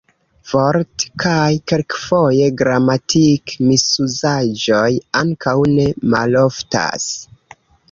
Vort- kaj kelkfoje gramatik-misuzaĵoj ankaŭ ne maloftas.